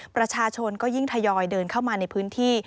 ประชาชนก็ยิ่งทยอยเดินเข้ามาในพื้นที่